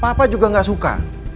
papa juga gak suka